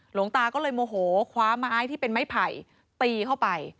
หลวงตาก็เลยโมโหคว้าไม้ที่เป็นไม้ไผ่ตีเข้าไป